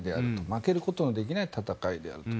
負けることのできない戦いであると。